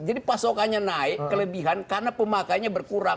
jadi pasokannya naik kelebihan karena pemakainya berkurang